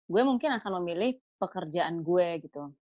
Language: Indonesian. gue mungkin akan memilih pekerjaan gue gitu